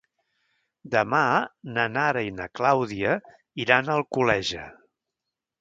Demà na Nara i na Clàudia iran a Alcoleja.